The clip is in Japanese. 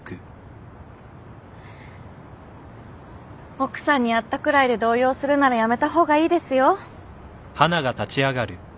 奥さんに会ったくらいで動揺するならやめた方がいいですよ。